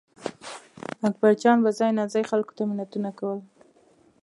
اکبرجان به ځای ناځای خلکو ته منتونه کول.